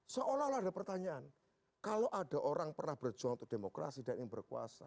seolah olah ada pertanyaan kalau ada orang pernah berjuang untuk demokrasi dan yang berkuasa